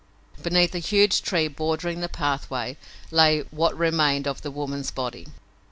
Beneath a huge tree bordering the pathway lay what remained of the woman's body.